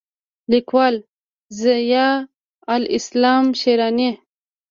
لیکوال: ضیاءالاسلام شېراني